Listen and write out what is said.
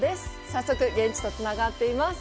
早速、現地とつながっています。